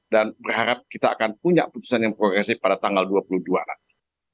dan berharap kita akan punya putusan yang progresif pada tanggal dua puluh dua nanti